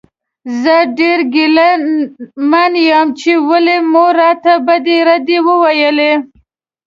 زه ډېر ګیله من یم چې ولې مو راته بدې ردې وویلې.